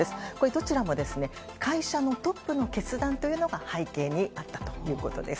どちらも会社のトップの決断というのが背景にあったということです。